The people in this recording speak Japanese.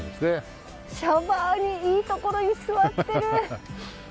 シャバーニいいところに居座ってる！